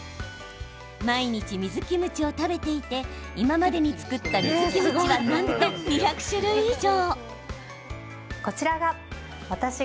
毎日、水キムチを食べていて今までに造った水キムチはなんと２００種類以上。